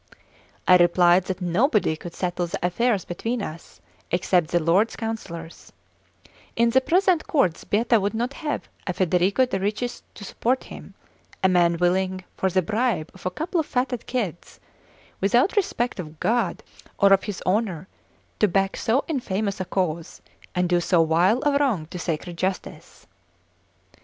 I replied that nobody could settle the affairs between us except the Lords Counsellors; in the present court Sbietta would not have a Federigo de' Ricci to support him, a man willing, for the bribe of a couple of fatted kids, without respect of God or of his honour, to back so infamous a cause and do so vile a wrong to sacred justice.